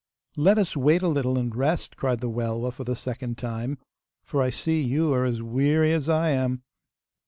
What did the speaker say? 'Let us wait a little and rest,' cried the Welwa for the second time, 'for I see you are as weary as I am.